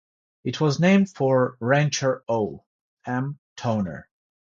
It was named for rancher O. M. Towner.